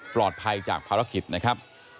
ปลอดภัยจากภารกิจนะครับ